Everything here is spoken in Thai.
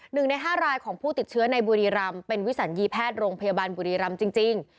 หนึ่งในห้ารายของผู้ติดเชื้อในบุรีรำเป็นวิสัญญีแพทย์โรงพยาบาลบุรีรำจริง